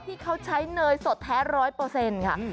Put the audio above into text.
ที่เขาใช้เนยสดแท้ร้อยเปอร์เซ็นต์ค่ะ